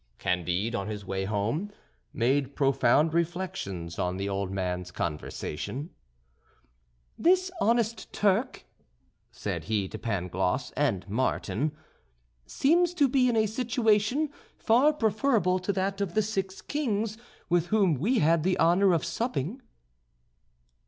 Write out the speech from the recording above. Candide, on his way home, made profound reflections on the old man's conversation. "This honest Turk," said he to Pangloss and Martin, "seems to be in a situation far preferable to that of the six kings with whom we had the honour of supping."